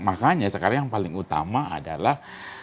makanya sekarang yang paling utama adalah